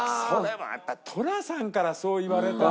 やっぱり寅さんからそう言われたら。